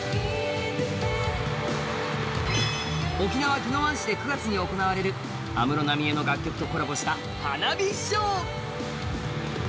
沖縄・宜野湾市で９月に行われる安室奈美恵の楽曲とコラボした花火ショー。